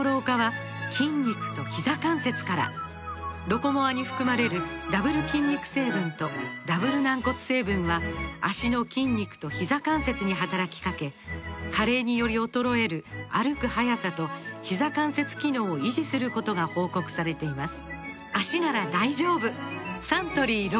「ロコモア」に含まれるダブル筋肉成分とダブル軟骨成分は脚の筋肉とひざ関節に働きかけ加齢により衰える歩く速さとひざ関節機能を維持することが報告されています